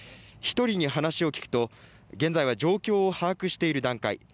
１人に話を聞くと現在は状況を把握している段階。